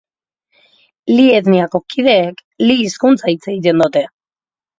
Li etniako kideek Li hizkuntza hitz egiten dute.